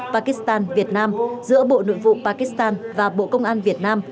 pakistan việt nam giữa bộ nội vụ pakistan và bộ công an việt nam